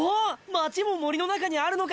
町も森の中にあるのか！